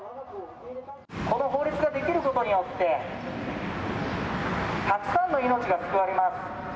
この法律が出来ることによって、たくさんの命が救われます。